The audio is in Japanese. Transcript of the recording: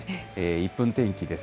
１分天気です。